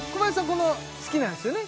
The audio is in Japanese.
この好きなんですよね？